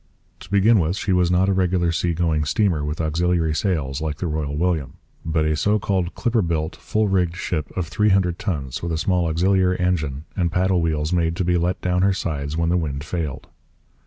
To begin with, she was not a regular sea going steamer with auxiliary sails like the Royal William, but a so called clipper built, full rigged ship of three hundred tons with a small auxiliary engine and paddle wheels made to be let down her sides when the wind failed.